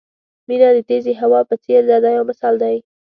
مینه د تېزې هوا په څېر ده دا یو مثال دی.